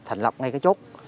thành lập ngay cái chốt